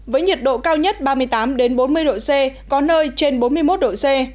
với nhiệt độ cao nhất ba mươi tám bốn mươi độ c có nơi trên bốn mươi một độ c